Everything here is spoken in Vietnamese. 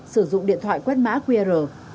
sử dụng điện thoại quét mã qr